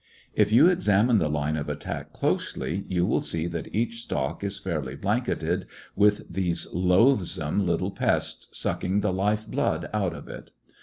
If you examine the line of attack closely you will see that each stalk is fairly blanketed with these loathsome little pests, sucking the life blood out of it.